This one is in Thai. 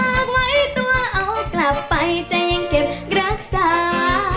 ไว้ตัวเอากลับไปจะยังเก็บรักษา